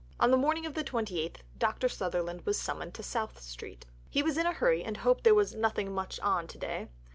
On the morning of the 28th Dr. Sutherland was summoned to South Street. He was in a hurry and hoped there was "nothing much on to day."